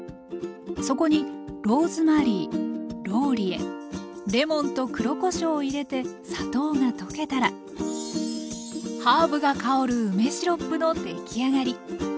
そこにローズマリーローリエレモンと黒こしょうを入れて砂糖が溶けたらハーブが香る梅シロップの出来上がり。